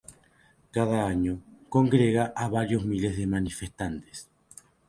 Cada año, congrega a varios miles de manifestantes.